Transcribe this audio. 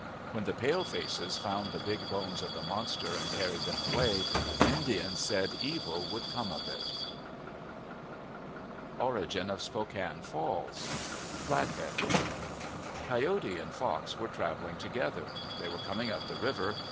When the pale faces found the big bones of the monster and carried them away, Indians said evil would come of it. 117 MYTHS AND LEGENDS ORIGIN OF SPOKANE FALLS F lathe ad COYOTE and Fox were travelling together. They were coming up the river.